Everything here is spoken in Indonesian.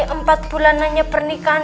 empat bulan nanya pernikahan